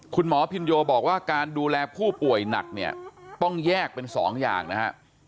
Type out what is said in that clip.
คุณหมอพินโยบอกว่าการดูแลผู้ป่วยหนักเนี่ยต้องแยกเป็นสองอย่างนะฮะ